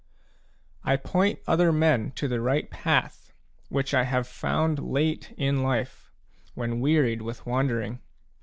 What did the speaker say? I point other men to the right path, which I have found late in life, when wearied with wandering.